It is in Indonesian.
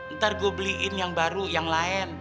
ntar gue beliin yang baru yang lain